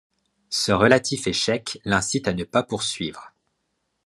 Ce relatif échec l'incite à ne pas poursuivre.